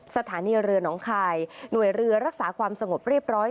สถานีเรือน้องคายหน่วยเรือรักษาความสงบเรียบร้อย